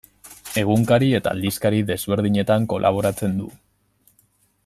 Egunkari eta aldizkari desberdinetan kolaboratzen du.